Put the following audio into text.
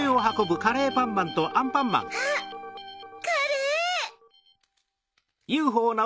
あ！カレー！